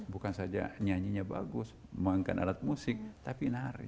bukan saja nyanyinya bagus memainkan alat musik tapi nari